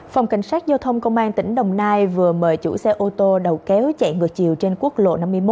phòng cảnh sát giao thông công an tỉnh đồng nai vừa mời chủ xe ô tô đầu kéo chạy ngược chiều trên quốc lộ năm mươi một